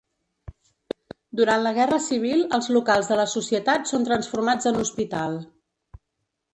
Durant la Guerra Civil els locals de la societat són transformats en hospital.